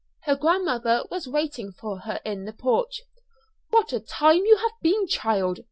Her grandmother was waiting for her in the porch. "What a time you have been, child!"